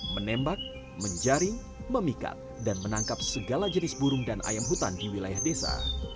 menembak menjaring memikat dan menangkap segala jenis burung dan ayam hutan di wilayah desa